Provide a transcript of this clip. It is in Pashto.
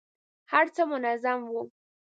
هر څه منظم وو.